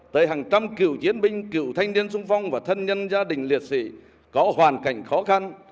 tâm cựu chiến binh cựu thanh niên trung phong và thân nhân gia đình liệt sĩ có hoàn cảnh khó khăn